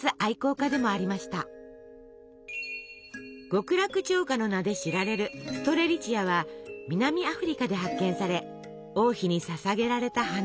「極楽鳥花」の名で知られるストレリチアは南アフリカで発見され王妃にささげられた花。